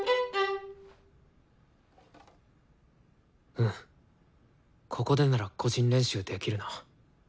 うんここでなら個人練習できるな。